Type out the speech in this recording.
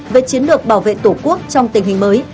về chiến lược bảo vệ tổ quốc trong tình hình mới